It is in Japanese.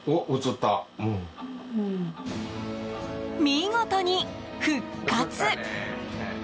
見事に復活。